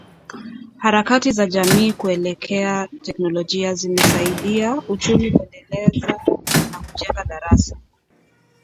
Harakati za jamii kuelekea teknolojia zimesaidia uchumi kuendeleza na kujenga darasa